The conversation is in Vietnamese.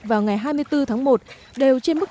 vào ngày hai mươi bốn tháng một đều trên mức